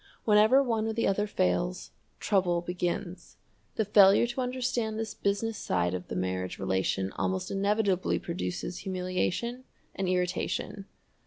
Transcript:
Whenever one or the other fails, trouble begins. The failure to understand this business side of the marriage relation almost inevitably produces humiliation and irritation.